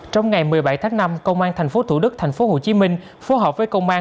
trong ngày một mươi bảy tháng năm công an thành phố thủ đức thành phố hồ chí minh phô hợp với công an